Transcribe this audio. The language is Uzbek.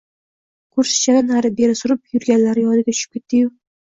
kursichani nari-beri surib yurganlari yodiga tushib ketdi-yu